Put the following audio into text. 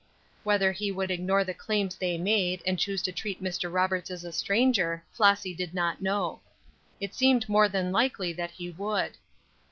Whether he would ignore the claims they made, and choose to treat Mr. Roberts as a stranger, Flossy did not know; it seemed more than likely that he would.